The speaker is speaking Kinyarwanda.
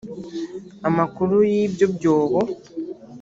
amakuru y ibyo byobo